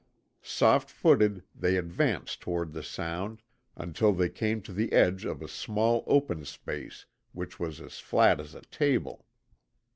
Soft footed they advanced toward the sound until they came to the edge of a small open space which was as flat as a table.